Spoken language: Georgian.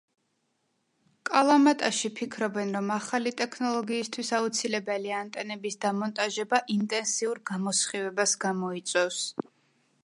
კალამატაში ფიქრობენ, რომ ახალი ტექნოლოგიისთვის აუცილებელი ანტენების დამონტაჟება, ინტენსიურ გამოსხივებას გამოიწვევს.